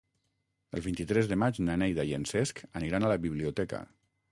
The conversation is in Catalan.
El vint-i-tres de maig na Neida i en Cesc aniran a la biblioteca.